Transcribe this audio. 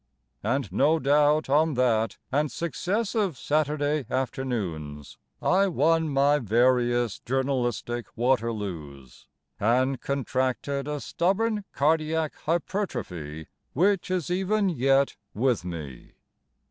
And no doubt on that and successive Saturday afternoons I won my various journalistic Waterloos, And contracted a stubborn cardiac hypertrophy Which is even yet with me.